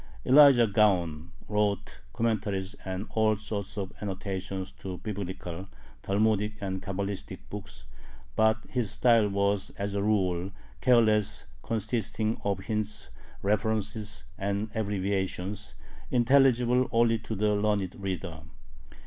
Elijah Gaon wrote commentaries and all sorts of "annotations" to Biblical, Talmudic, and Cabalistic books, but his style was, as a rule, careless, consisting of hints, references, and abbreviations, intelligible only to the learned reader.